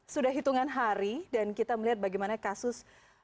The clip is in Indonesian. sudah hitungan hari dan kita melihat bagaimana kasus